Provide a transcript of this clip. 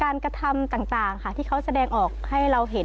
กระทำต่างค่ะที่เขาแสดงออกให้เราเห็น